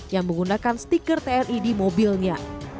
yang menggunakan stiker tni di mobilnya